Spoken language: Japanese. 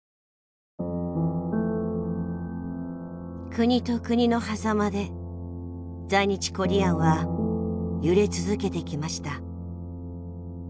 国と国のはざまで在日コリアンは揺れ続けてきました。